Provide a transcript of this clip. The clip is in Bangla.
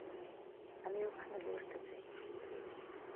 আমি ওখানে বসতে চাই।